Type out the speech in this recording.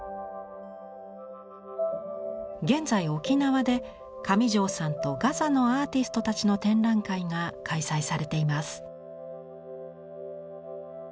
現在沖縄で上條さんとガザのアーティストたちの展覧会が開催されています。